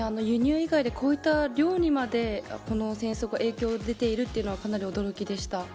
輸入以外でこういった漁にまでこの戦争が影響が出ているというのはかなり驚きでした。